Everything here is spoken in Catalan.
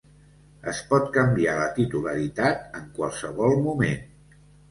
Es pot canviar la titularitat en qualsevol moment.